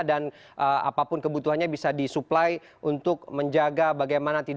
dan apapun kebutuhannya bisa disuplai untuk menjaga keuntungan